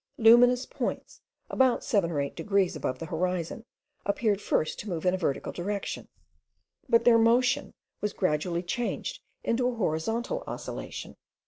Luminous points, about seven or eight degrees above the horizon, appeared first to move in a vertical direction; but their motion was gradually changed into a horizontal oscillation.